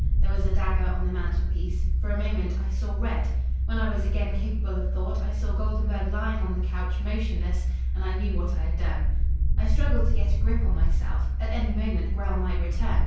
There was a dagger on the mantelpiece. For a moment I saw red. When I was again capable of thought I saw Goldenburg lying on the couch, motionless, and I knew what I had done. "I struggled to get a grip on myself. At any moment Grell might return.